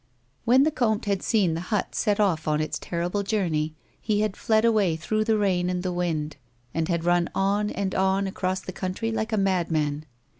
When the comte had seen the hut set off on its terrible journey, he had fled away through the rain and the wind, and had run on and on across the country like a madman.